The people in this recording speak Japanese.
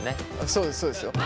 そうですそうですよ。